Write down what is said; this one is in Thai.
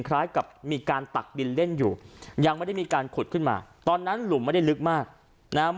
คล้ายกับมีการตักดินเล่นอยู่ยังไม่ได้มีการขุดขึ้นมาตอนนั้นหลุมไม่ได้ลึกมากนะฮะ